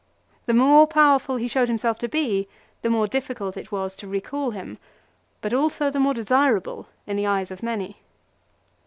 The more powerful he showed himself to be, the more difficult it was to recall him, but also the more desirable in the eyes of many.